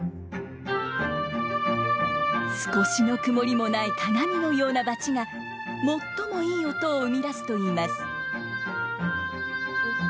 少しの曇りもない鏡のようなバチが最もいい音を生み出すといいます。